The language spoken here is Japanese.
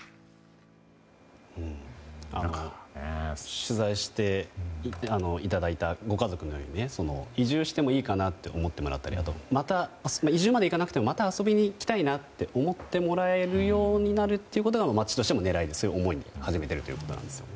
取材していただいたご家族に移住してもいいかなと思ってもらったりとあとは移住までいかなくてもまた遊びに行きたいなと思ってもらえるようになることが町としても狙いとして始めているということです。